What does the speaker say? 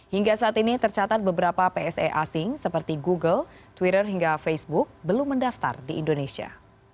hingga saat ini tercatat beberapa pse asing seperti google twitter hingga facebook belum mendaftar di indonesia